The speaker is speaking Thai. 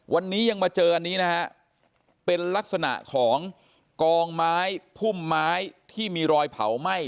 วันนี้ยังมาเจออันนี้นะฮะเป็นลักษณะของกองไม้พุ่มไม้ที่มีรอยเผาไหม้